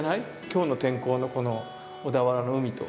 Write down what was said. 今日の天候のこの小田原の海と。